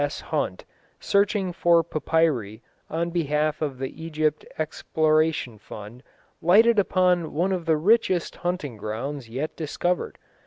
S. Hunt, searching for papyri on behalf of the Egypt Exploration Fund, lighted upon one of the richest hunting grounds yet discovered.